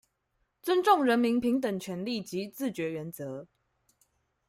尊重人民平等權利及自決原則